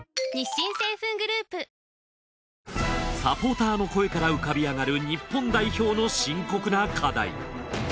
サポーターの声から浮かび上がる日本代表の深刻な課題。